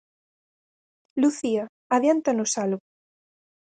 Lucía, adiántanos algo.